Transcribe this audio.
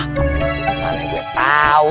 ternyata gue tau